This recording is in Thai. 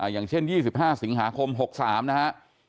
อย่างเช่น๒๕สิงหาคม๖๓นะฮะ